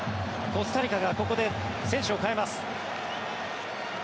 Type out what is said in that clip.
コスタリカがここで選手を代えます。